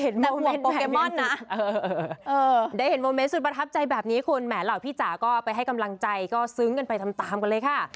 นะคะได้เห็นโมเมนต์แบบนี้คุณแหมล่ะพี่จ๋าก็ไปให้กำลังใจก็ซึ้งกันไปทำตามกันเลยค่ะ